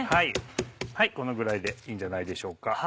このぐらいでいいんじゃないでしょうか。